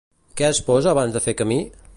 Què es posa abans de fer camí?